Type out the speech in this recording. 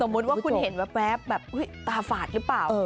มุติว่าคุณเห็นแว๊บแบบตาฝาดหรือเปล่า